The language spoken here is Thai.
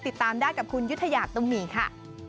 ติดตามได้กับคุณยุธยาตุ้มมีค่ะ